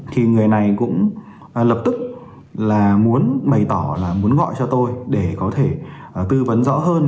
thì người này cũng lập tức là muốn bày tỏ là muốn gọi cho tôi để có thể tư vấn rõ hơn